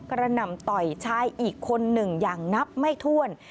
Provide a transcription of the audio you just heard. หน่ำต่อยชายอีกคนหนึ่งอย่างนับไม่ถ้วน